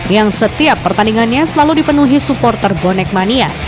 yang setiap pertandingannya selalu dipenuhi supporter bonek mania